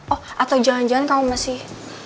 oh atau jangan jangan kamu masih